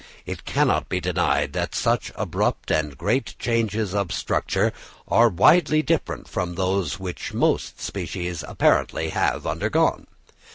It cannot be denied that such abrupt and great changes of structure are widely different from those which most species apparently have undergone.